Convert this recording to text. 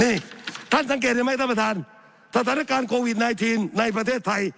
นี่ท่านสังเกตเห็นไหมท่านประธานสถานการณ์โควิด๑๙ในประเทศไทย